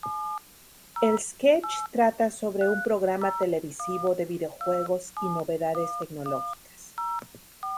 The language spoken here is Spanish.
El sketch trata sobre un programa televisivo de videojuegos y novedades tecnológicas.